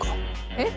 えっ！